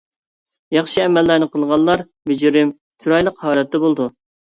ياخشى ئەمەللەرنى قىلغانلار بېجىرىم، چىرايلىق ھالەتتە بولىدۇ.